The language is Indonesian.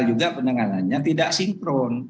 juga penanganannya tidak sinkron